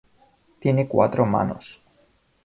Tiene cuatro manos.